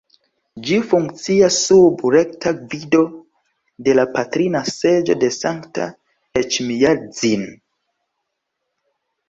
Ĝi funkcias sub rekta gvido de la Patrina Seĝo de Sankta Eĉmiadzin.